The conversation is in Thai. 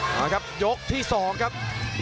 มาครับยกที่๒ครับ